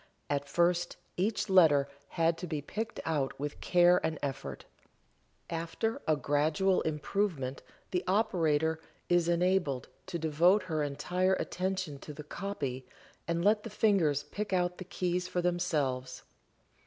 At first each letter had to be picked out with care and effort. After a gradual improvement the operator is enabled to devote her entire attention to the "copy" and let the fingers pick out the keys for themselves.